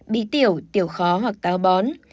bí tiểu tiểu khó hoặc táo bón